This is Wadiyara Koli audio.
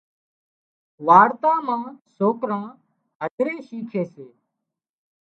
وارتا مان سوڪران هڌري شيکي سي